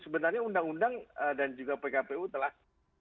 sebenarnya undang undang dan juga pkpu telah